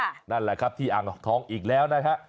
นี่เจ้านั่นล่ะครับที่อ่างทองอีกแล้วนะ